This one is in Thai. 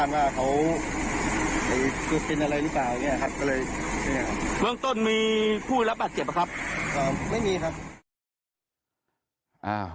เมืองต้นมีผู้รับบัตรเก็บปะครับไม่มีครับ